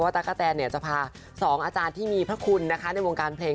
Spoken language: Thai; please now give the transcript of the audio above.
ตะกะแตนจะพา๒อาจารย์ที่มีพระคุณนะคะในวงการเพลง